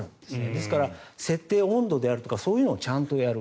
ですから、設定温度であるとかそういうのをちゃんとやる。